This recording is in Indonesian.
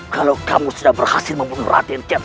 kalau kamu sudah berhasil memperhatikan